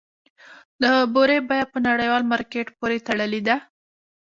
د بورې بیه په نړیوال مارکیټ پورې تړلې ده؟